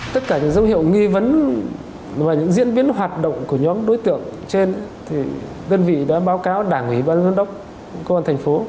tất cả những dấu hiệu nghi vấn và những diễn biến hoạt động của nhóm đối tượng trên thì đơn vị đã báo cáo đảng ủy ban giám đốc công an thành phố